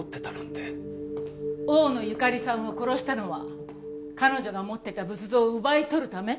大野ゆかりさんを殺したのは彼女が持ってた仏像を奪い取るため？